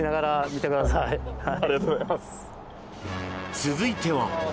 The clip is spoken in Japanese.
続いては。